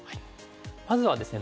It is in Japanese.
まずはですね